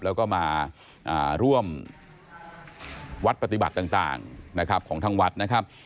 แล้วก็มาร่วมวัดปฏิบัติต่างนะครับของทางวัดนะครับ